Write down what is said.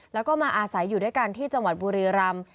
แล้วก็มาอาศัยอยู่ด้วยกันที่จังหวัดบุรีรำ